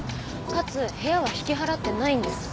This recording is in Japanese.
かつ部屋は引き払ってないんです。